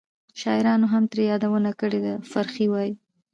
شاعرانو هم ترې یادونه کړې ده. فرخي وایي: